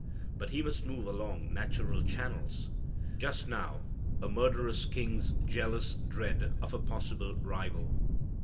But he must move along natural channels: just now, a murderous king's jealous dread of a possible rival.